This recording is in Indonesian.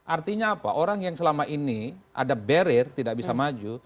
artinya apa orang yang selama ini ada barrier tidak bisa maju